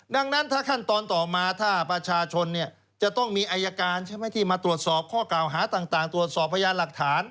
ดังนั้นถ้าขั้นตอนต่อมาถ้าประชาชนเนี่ยจะต้องมีอายการใช่ไหมที่มาตรวจสอบข้อกล่าวหาต่างตรวจสอบพยานหลักฐาน